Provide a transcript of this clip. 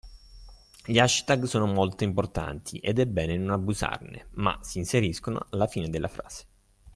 Gli hashtag sono molto importanti ed è bene non abusarne ma si inseriscono alla fine della frase.